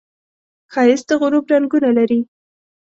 ښایست د غروب رنګونه لري